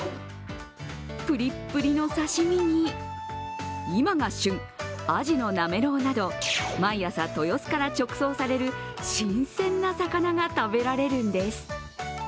ぷりぷりの刺身に今が旬、あじのなめろうなど毎朝、豊洲から直送される新鮮な魚が食べられるんです。